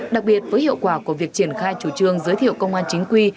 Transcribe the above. đặc biệt với hiệu quả của việc triển khai chủ trương giới thiệu công an chính quy